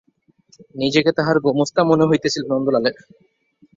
নিজেকে তাহার গোমস্তা মনে হইতেছিল নন্দলালের।